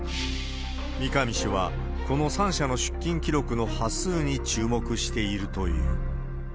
三上氏はこの３社の出金記録の端数に注目しているという。